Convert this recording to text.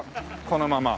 このまま。